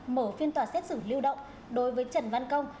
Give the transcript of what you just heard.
mở phiên tòa xét xử lưu động đối với trần văn công